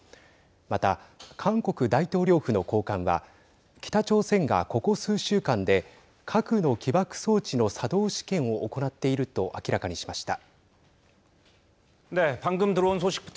また、韓国大統領府の高官は北朝鮮が、ここ数週間で核の起爆装置の作動試験を行っていると明らかにしました。